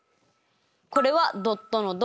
これはドットの「ド」。